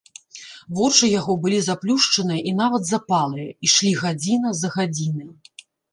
Вочы яго былі заплюшчаныя і нават запалыя, ішлі гадзіна за гадзінай.